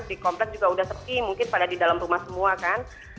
di kompleks juga udah sepi mungkin pada di dalam rumah semua kan